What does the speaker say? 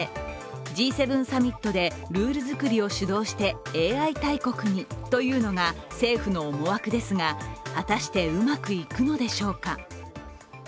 Ｇ７サミットでルール作りを主導してＡＩ大国にというのが政府の思惑ですが、果たしてうまくいくのでしょうか。